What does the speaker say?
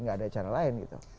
gak ada cara lain gitu